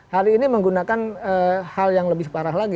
hari ini menggunakan hal yang lebih parah lagi